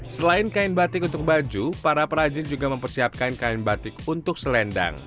selain kain batik untuk baju para perajin juga mempersiapkan kain batik untuk selendang